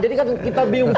jadi kan kita bingung